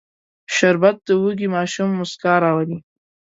شربت د وږي ماشوم موسکا راولي